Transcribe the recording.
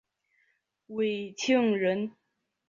讳庆仁。